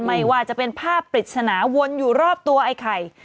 ไม่ว่าจะเป็นภาพปริศนาวนอยู่รอบตัวไอ้ไข่